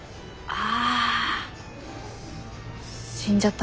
あ。